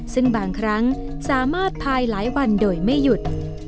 ซึ่งบางครั้งสามารถพายหลายวันโดยไม่หยุด